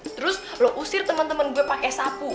terus lo usir temen temen gue pake sapu